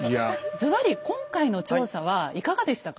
ズバリ今回の調査はいかがでしたか？